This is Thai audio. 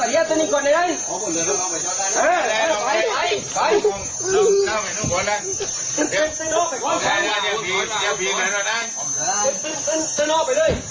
ไอ้เย้แต่บานคนมันมีหัวภีร์กบจิตเลย